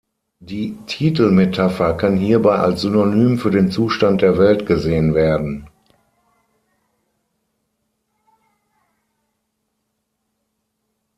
Die Titel-Metapher kann hierbei als Synonym für den Zustand der Welt gesehen werden.